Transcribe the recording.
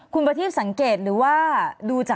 คุณประทีบขอแสดงความเสียใจด้วยนะคะ